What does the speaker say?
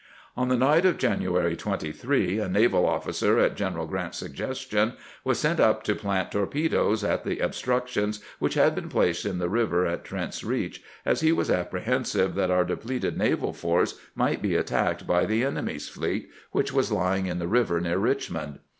On the night of January 23 a naval officer, at General Grant's suggestion, was sent up to plant torpedoes at the obstructions which had been placed in the river at Trent's Reach, as he was apprehensive that our depleted NIGHT ATTACK OF THE ENEMY'S IBONCLADS 377 naval force miglit be attacked by the enemy's fleet, ■which was lying in the river near Richmond.